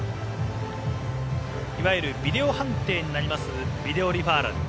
いわゆるビデオ判定になりますビデオリファーラル。